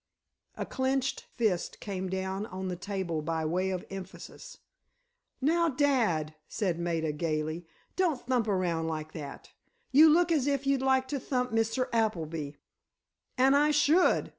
A clenched fist came down on the table by way of emphasis. "Now, dad," said Maida, gaily, "don't thump around like that! You look as if you'd like to thump Mr. Appleby!" "And I should!